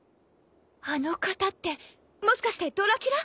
あの方ってもしかしてドラキュラ！？